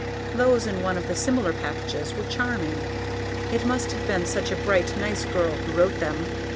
Those in one of the smaller packages were charming; it must have been such a bright, nice girl who wrote them!